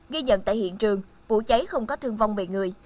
ghi nhận tại hiện trường vụ cháy không có thương vong về người